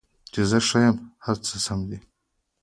چې زه ښه یم، هر څه سم دي